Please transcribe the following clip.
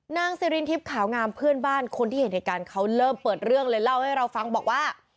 ซิรินทิพย์ขาวงามเพื่อนบ้านคนที่เห็นเหตุการณ์เขาเริ่มเปิดเรื่องเลยเล่าให้เราฟังบอกว่า